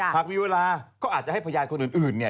หากมีเวลาก็อาจจะให้พยานคนอื่นเนี่ย